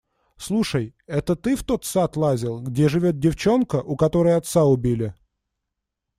Слушай, это ты в тот сад лазил, где живет девчонка, у которой отца убили?